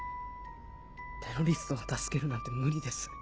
テロリストを助けるなんて無理です。